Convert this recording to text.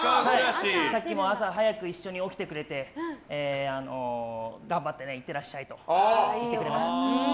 さっきも朝早く一緒に起きてくれて頑張っていってらっしゃいと言ってくれました。